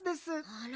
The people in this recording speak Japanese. あら？